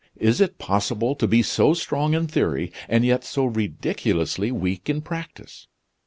"Is it possible to be so strong in theory, and yet so ridiculously weak in practise?